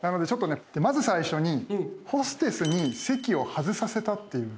まず最初にホステスに席を外させたっていうんですね。